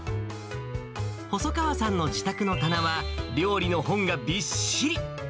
細川さんの自宅の棚は、料理の本がびっしり。